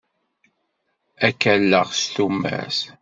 Ad k-alleɣ s tumert.